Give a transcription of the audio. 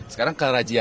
sekarang ke rajia